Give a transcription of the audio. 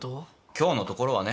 今日のところはね。